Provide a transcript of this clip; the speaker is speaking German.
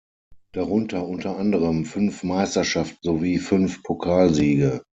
Darunter unter anderem fünf Meisterschaften sowie fünf Pokalsiege.